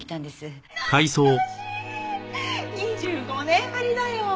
２５年ぶりだよ。